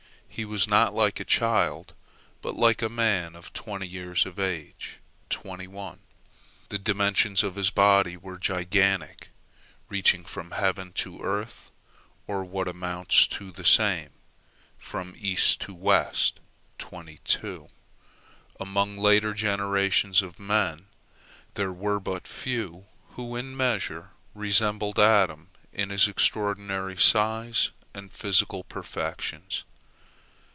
He was not like a child, but like a man of twenty years of age. The dimensions of his body were gigantic, reaching from heaven to earth, or, what amounts to the same, from east to west. Among later generations of men, there were but few who in a measure resembled Adam in his extraordinary size and physical perfections.